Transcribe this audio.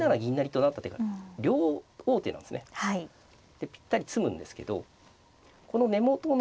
でぴったり詰むんですけどこの根元の。